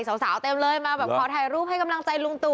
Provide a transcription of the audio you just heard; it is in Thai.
สาวเต็มเลยมาแบบขอถ่ายรูปให้กำลังใจลุงตู่